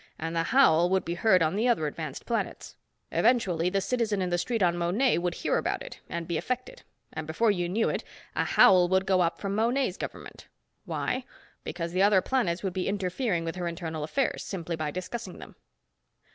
And the howl would be heard on the other advanced planets. Eventually, the citizen in the street on Monet would hear about it and be affected. And before you knew it, a howl would go up from Monet's government. Why? Because the other planets would be interfering with her internal affairs, simply by discussing them."